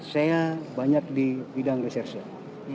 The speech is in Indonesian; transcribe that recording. saya banyak di bidang riset riset